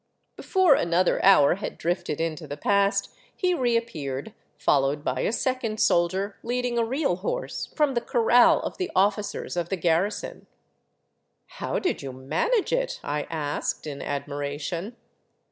Before another hour had drifted into the past he reappeared, followed by a second soldier leading a real horse from the corral of the officers of the garrison. " How did you manage it ?" I asked, in admiration.